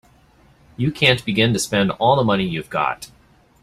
You can't begin to spend all the money you've got.